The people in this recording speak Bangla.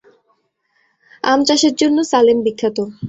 আম চাষের জন্য সালেম বিখ্যাত।